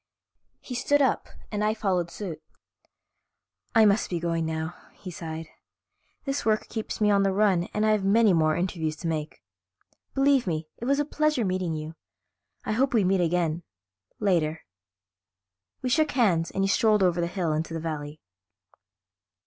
He stood up and I followed suit. "I must be going now," he sighed. "This work keeps me on the run and I have many more interviews to make. Believe me, it was a pleasure meeting you. I hope we meet again later." We shook hands and he strolled over the hill into the valley.